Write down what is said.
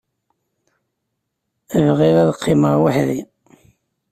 Bɣiɣ ad qqimeɣ weḥd-i.